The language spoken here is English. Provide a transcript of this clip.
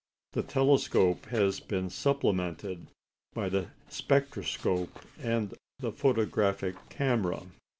The telescope has been supplemented by the spectroscope and the photographic camera.